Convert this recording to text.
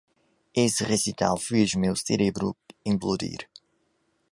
Esse recital fez meu cérebro implodir.